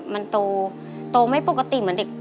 มันโตไม่ปกติเหมือนเด็ก